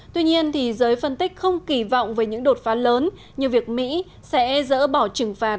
tuy nhiên giới phân tích không kỳ vọng về những đột phá lớn như việc mỹ sẽ dỡ bỏ trừng phạt